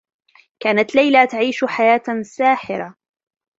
كانت ليلى تعيش حياة ساحرة.